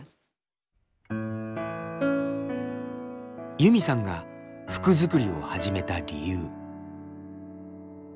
ユミさんが服作りを始めた理由。